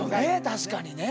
確かにね。